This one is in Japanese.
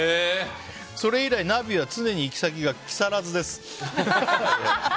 それ以来、ナビは常に行き先が木更津です。